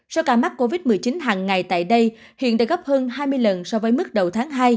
sau cả mắt covid một mươi chín hàng ngày tại đây hiện đã gấp hơn hai mươi lần so với mức đầu tháng hai